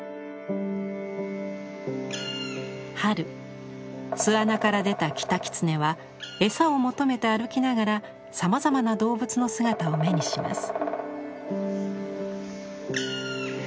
春巣穴から出たキタキツネはエサを求めて歩きながらさまざまな動物の姿を目にします。